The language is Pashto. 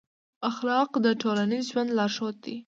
اخلاق د ټولنیز ژوند لارښود دی.